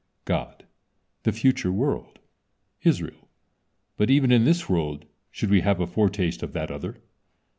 God: "The future world." Israel: "But even in this world should we have a foretaste of that other."